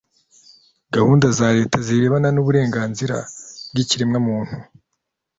gahunda za leta zirebana n'uburenganzira bw'ikiremwamuntu.